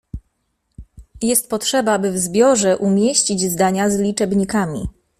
Jest potrzeba aby w zbiorze umieścić zdania z liczebnikami